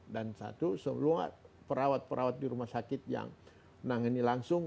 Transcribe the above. dan satu semua perawat perawat di rumah sakit yang menangani langsung